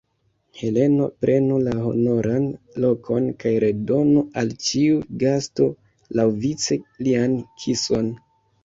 Heleno, prenu la honoran lokon kaj redonu al ĉiu gasto, laŭvice, lian kison!